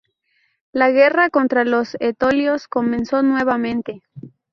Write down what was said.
La guerra contra los etolios comenzó nuevamente.